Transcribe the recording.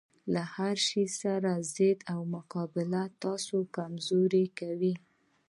له هرشي سره ضد او مقابله تاسې کمزوري کوي